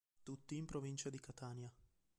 Tutti in provincia di Catania.